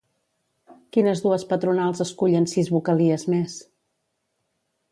Quines dues patronals escullen sis vocalies més?